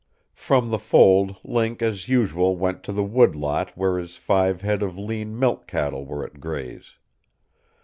From the fold Link as usual went to the woodlot where his five head of lean milch cattle were at graze.